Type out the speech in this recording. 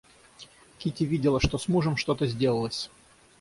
Кити видела, что с мужем что-то сделалось.